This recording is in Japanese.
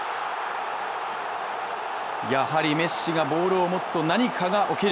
やはりメッシがボールを持つと何かが起きる。